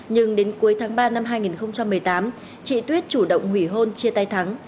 nhưng đến cuối tháng ba năm hai nghìn một mươi tám chị tuyết chủ động hủy hôn chia tay thắng